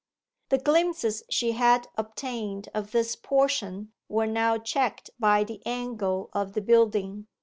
The glimpses she had obtained of this portion were now checked by the angle of the building.